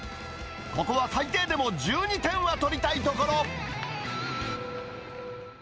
ここは最低でも１２点は取りたいところ。